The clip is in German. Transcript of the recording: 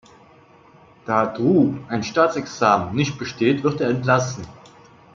Da Drew ein Staatsexamen nicht besteht, wird er entlassen.